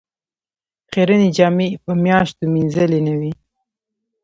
خیرنې جامې یې په میاشتو مینځلې نه وې.